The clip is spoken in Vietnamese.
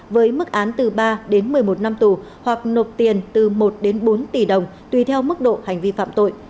với mức án từ ba đến một mươi một năm tù hoặc nộp tiền từ một đến bốn tỷ đồng tùy theo mức độ hành vi phạm tội